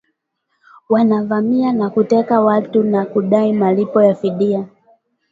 wanavamia na kuteka watu na kudai malipo ya fidia